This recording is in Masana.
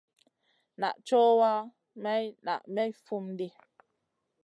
Naʼ cowa, maï naʼ may fum ɗi.